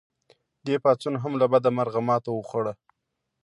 دې پاڅون هم له بده مرغه ماته وخوړه.